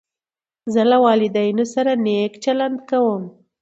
زه له والدینو سره نېک چلند کوم.